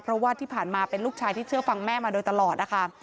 เพราะว่าที่ผ่านมาเป็นลูกชายที่เชื่อฟังแม่มาโดยตลอดนะคะ